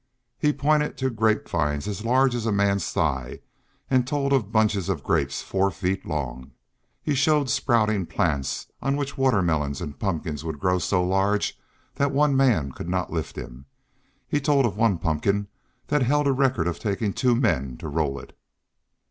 He pointed to grape vines as large as a man's thigh and told of bunches of grapes four feet long; he showed sprouting plants on which watermelons and pumpkins would grow so large that one man could not lift them; he told of one pumpkin that held a record of taking two men to roll it.